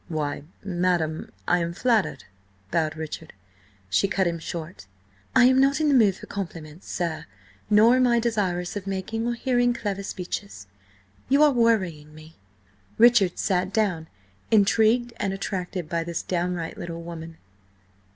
"Why, madam, I am flattered," bowed Richard. She cut him short. "I am not in the mood for compliments, sir. Nor am I desirous of making or hearing clever speeches. You are worrying me." Richard sat down, intrigued and attracted by this downright little woman.